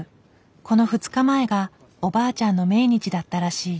この２日前がおばあちゃんの命日だったらしい。